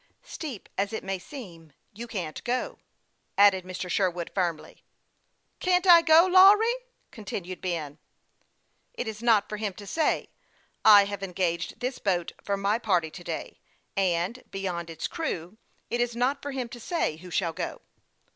" Steep as it may seem, you can't go," added Mr. Sherwood, firmly. " Can't I go, Lawry ?" continued Ben, appealing to his brother. " It is not for him to say. I have engaged this boat for my party to day ; and, beyond his crew, it is not for him to say who shall go."